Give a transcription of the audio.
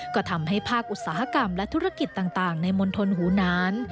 ก็ทำให้ภาคอุตสาหกรรมและธุรกิจต่างในมณฑลหูนาน